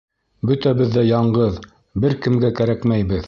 Бөтәбеҙ ҙә яңғыҙ, бер кемгә кәрәкмәйбеҙ.